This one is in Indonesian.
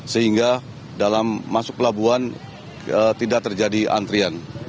sehingga dalam masuk pelabuhan tidak terjadi antrian